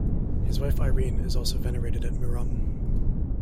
His wife Irene is also venerated at Murom.